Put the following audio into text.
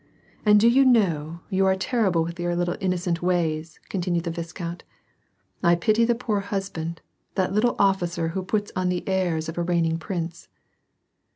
"And do you know, you are terrible with your little inno cent ways," continued the viscount. " I pity the poor hus band, — that little officer who puts on the airs of a reigning prince."